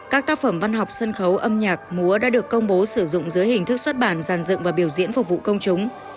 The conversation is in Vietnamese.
các tác phẩm văn học sân khấu âm nhạc múa đã được công bố sử dụng dưới hình thức xuất bản giàn dựng và biểu diễn phục vụ công chúng